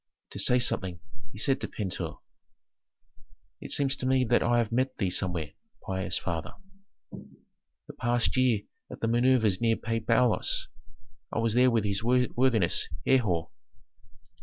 To say something, he said to Pentuer, "It seems to me that I have met thee somewhere, pious father?" "The past year at the manœuvres near Pi Bailos. I was there with his worthiness Herhor."